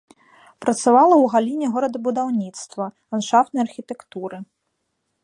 Працавала ў галіне горадабудаўніцтва, ландшафтнай архітэктуры.